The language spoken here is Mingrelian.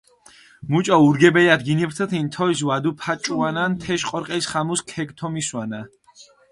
მუჭო ურგებელათ გინიფრთუთინ, თოლს ვადუფაჭუანან თეშ, ყორყელს ხამუს ქეგთომისვანა.